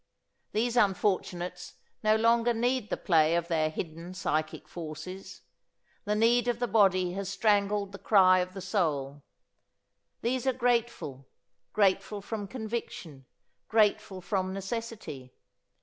These unfortunates no longer need the play of their hidden psychic forces. The need of the body has strangled the cry of the soul. These are grateful, grateful from conviction, grateful from necessity.